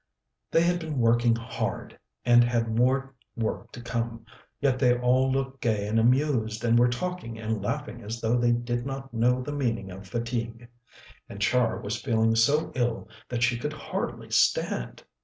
They had been working hard, and had more work to come, yet they all looked gay and amused, and were talking and laughing as though they did not know the meaning of fatigue. And Char was feeling so ill that she could hardly stand.